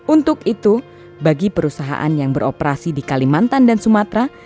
untuk itu bagi perusahaan yang beroperasi di kalimantan dan sumatera